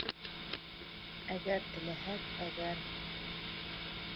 — Әгәр теләһәк, әгәр...